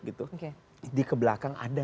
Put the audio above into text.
gitu di kebelakang ada